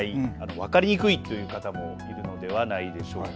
分かりにくいという方もいるのではないでしょうか。